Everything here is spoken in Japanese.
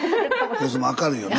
この人も明るいよね。